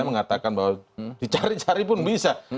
mengatakan bahwa dicari cari pun bisa